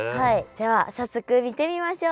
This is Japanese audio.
では早速見てみましょう。